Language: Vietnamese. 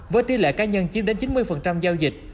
với tỷ lệ cá nhân chiếm đến chín mươi giao dịch